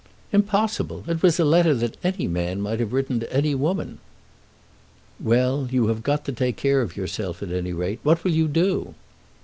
"Impossible! It was a letter that any man might have written to any woman." "Well; you have got to take care of yourself at any rate. What will you do?"